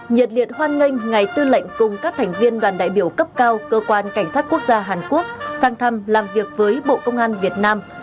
nhiệt liệt hoan nghênh ngài tư lệnh cùng các thành viên đoàn đại biểu cấp cao cơ quan cảnh sát quốc gia hàn quốc sang thăm làm việc với bộ công an việt nam